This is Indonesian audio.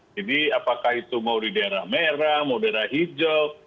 jadi apakah itu mau di daerah merah mau di daerah hijau